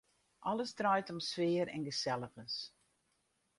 Alles draait om sfear en geselligens.